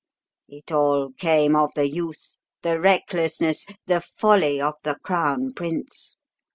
"It all came of the youth, the recklessness, the folly of the crown prince.